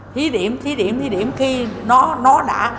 thí điểm thí điểm thí điểm khi nó đã